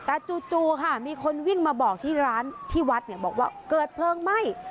แต่จู่ค่ะมีคนวิ่งมาบอกที่ร้านที่วัดเนี่ยบอกว่าเกิดเพลิงไหม้